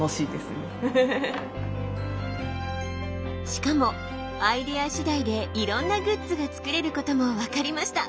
しかもアイデア次第でいろんなグッズが作れることも分かりました。